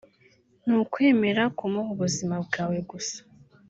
ni ukwemera kumuha ubuzima bwawe gusa